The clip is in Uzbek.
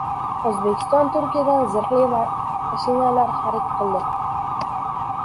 O‘zbekiston Turkiyadan zirhli mashinalar xarid qildi